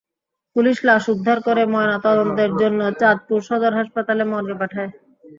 Police লাশ উদ্ধার করে ময়নাতদন্তের জন্য চাঁদপুর সদর হাসপাতাল মর্গে পাঠায়।